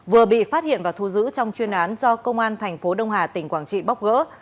vừa bị phát hiện và thu giữ trong chuyên án do công an thành phố đông hà tỉnh quảng trị bóc gỡ